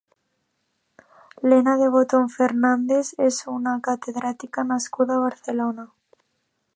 Lena de Botton Fernández és una catedràtica nascuda a Barcelona.